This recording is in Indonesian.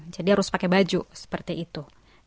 jadi harus pakai baju seperti itu